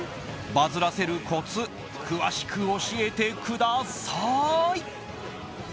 バズらせるコツ詳しく教えてください！